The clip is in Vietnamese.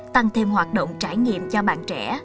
tăng thêm hoạt động trải nghiệm cho bạn trẻ